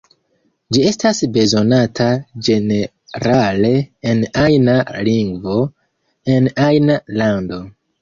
Ĝi estas bezonata ĝenerale, en ajna lingvo, en ajna lando.